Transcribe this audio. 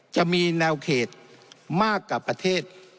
จะมีแนวเขตมากกว่าประเทศ